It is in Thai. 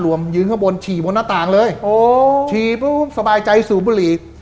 ยืนข้างบนฉี่บนหน้าต่างเลยโอ้ฉี่ปุ๊บสบายใจสูบบุหรี่